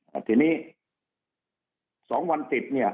อ่ะทีนี้สองวันติดเนี่ย